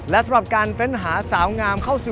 และสำหรับการเฟ้นหาสาวงามเข้าสู่